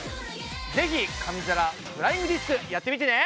ぜひ紙皿フライングディスクやってみてね！